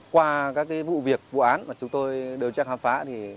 qua các vụ việc vụ án mà chúng tôi đều chắc khám phá